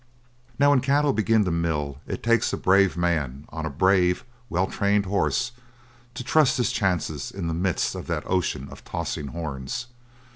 Now, when cattle begin to mill it takes a brave man on a brave, well trained horse to trust his chances in the midst of that ocean of tossing horns.